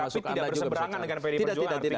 tapi tidak berseberangan dengan pdi perjuangan artinya ya